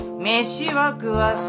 飯は食わす。